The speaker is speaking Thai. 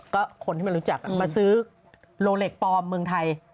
ก็คนที่มารู้จักมาซื้อโลเหล็กปลอมเมืองไทย